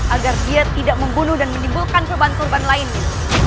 agar dia tidak membunuh dan menimbulkan keban kurban lainnya